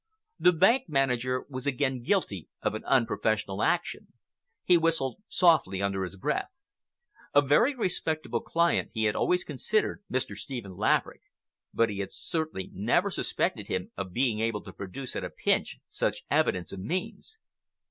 The bank manager was again guilty of an unprofessional action. He whistled softly under his breath. A very respectable client he had always considered Mr. Stephen Laverick, but he had certainly never suspected him of being able to produce at a pinch such evidence of means.